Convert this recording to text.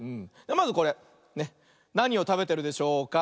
まずこれなにをたべてるでしょうか。